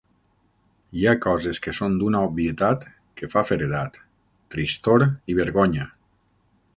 Hi ha coses que són d'una obvietat que fa feredat! Tristor i vergonya!